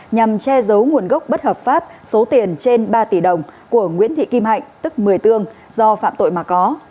nhằm che giấu nguồn gốc bất hợp pháp số tiền trên ba tỷ đồng của nguyễn thị kim hạnh tức một mươi tương do phạm tội mà có